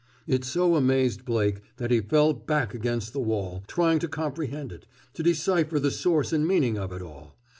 It so amazed Blake that he fell back against the wall, trying to comprehend it, to decipher the source and meaning of it all.